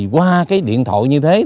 qua điện thoại như thế